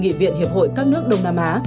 nghị viện hiệp hội các nước đông nam á